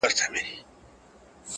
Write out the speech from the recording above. ځوانان بحث کوي په کوڅو تل,